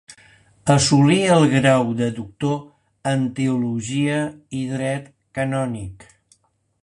Assolí el grau de doctor en teologia i dret canònic.